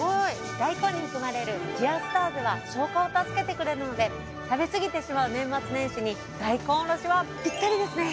大根に含まれるジアスターゼは消化を助けてくれるので食べ過ぎてしまう年末年始に大根おろしはピッタリですね。